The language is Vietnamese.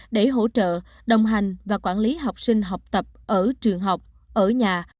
để hỗ trợ đồng hành và quản lý học sinh học tập ở trường học ở nhà